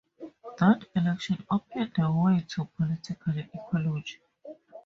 That election opened the way to political ecology.